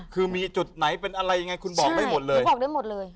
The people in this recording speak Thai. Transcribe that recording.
คือมีจุดไหนเป็นอะไรยังไงคุณบอกได้หมดเลย